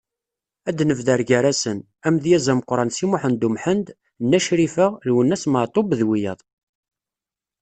Ad d-nebder gar-asen: Amedyaz ameqqran Si Muḥend Umḥend, Nna Crifa, Lwennas Meɛtub, d wiyaḍ.